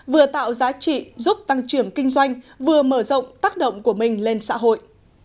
vừa tạo giá trị giúp tăng trưởng kinh doanh vừa mở rộng tác động của mình lên xã hội